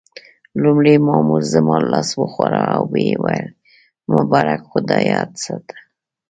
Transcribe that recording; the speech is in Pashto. لومړي مامور زما لاس وښوراوه او ويې ویل: مبارک، خو دا یاد ساته.